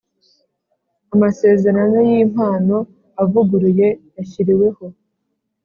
Amasezerano y impano avuguruye yashyiriweho